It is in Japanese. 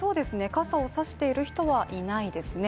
傘をさしている人はいないですね。